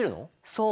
そう。